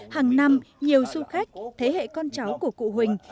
hàng năm nhiều du khách thế hệ con cháu của cụ huỳnh